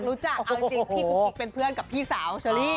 รู้จักอ้าวคือพี่กุ๊กกูเป็นเพื่อนกับพี่สาวฉลี